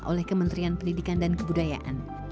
oleh kementerian pendidikan dan kebudayaan